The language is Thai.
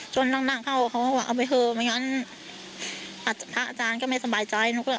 จนนั่งเข้าเขาว่าเอาไว้เถอะไม่งั้นพระอาจารย์ก็ไม่สบายใจ